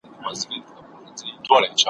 څوک له لویه سره ټیټ وي زېږېدلي ,